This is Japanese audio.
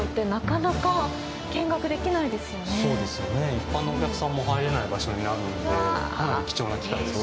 一般のお客さんも入れない場所になるのでかなり貴重な機会です。